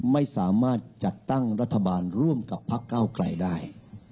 ไม่สามารถจัดตั้งรัฐบาลร่วมกับพักเก้าไกลได้